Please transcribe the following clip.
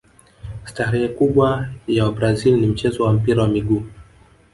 starehe kubwa ya wabrazil ni mchezo wa mpira wa miguu